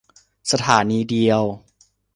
สถานีเดียว